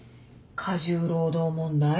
過重労働問題？